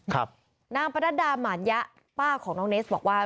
นางประนัดดาหมานยะป้าของน้องเนสบอกว่า